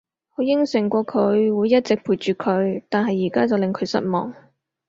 我應承過佢會一直陪住佢，但係而家就令佢失望